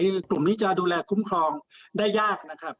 คือกลุ่มนี้จะดูแลคุ้มครองได้ยากนะครับ